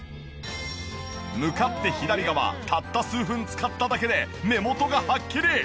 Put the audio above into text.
向かって左側たった数分使っただけで目元がはっきり。